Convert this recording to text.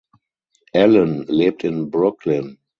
Allen lebt in Brooklyn.